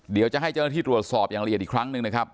เดี๋ยวจะให้เจ้าหน้าที่ตรวจสอบอย่างละเอียดอีกครั้งหนึ่งนะครับ